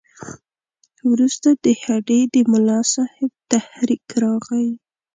وروسته د هډې د ملاصاحب تحریک راغی.